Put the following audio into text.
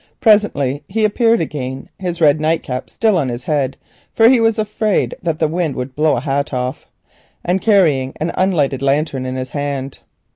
Presently he appeared again, his red nightcap still on his head, for he was afraid that the wind would blow a hat off, and carrying an unlighted lantern in his hand.